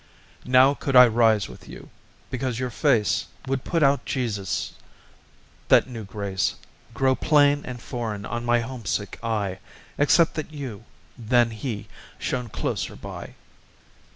Nor could I rise with you, Because your face Would put out Jesus', That new grace Glow plain and foreign On my homesick eye, Except that you, than he Shone closer by.